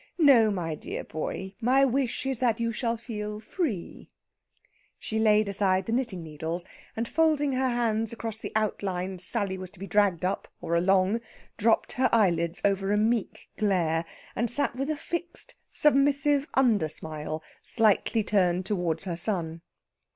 No, my dear boy, my wish is that you shall feel free." She laid aside the knitting needles, and folding her hands across the outline Sally was to be dragged up, or along, dropped her eyelids over a meek glare, and sat with a fixed, submissive undersmile slightly turned towards her son.